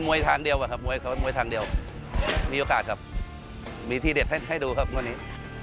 มวยทางเดียวครับมวยทางเดียวมีโอกาสครับมีที่เด็ดให้ดูครับวันนี้